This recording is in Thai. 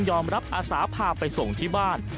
อารับอาสาพาไปส่งที่บ้าน